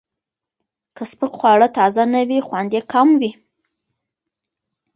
که سپک خواړه تازه نه وي، خوند یې کم وي.